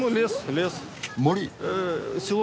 森？